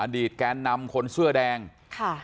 แกนนำคนเสื้อแดงค่ะ